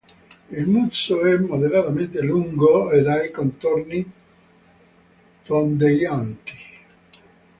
Il muso è moderatamente lungo e dai contorni tondeggianti.